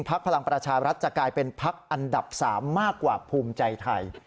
พลังประชารัฐจะกลายเป็นพักอันดับ๓มากกว่าภูมิใจไทย